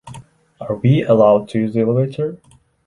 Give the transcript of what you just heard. Are we allowed to use the elevator?